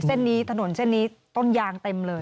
เส้นนี้ถนนเส้นนี้ต้นยางเต็มเลย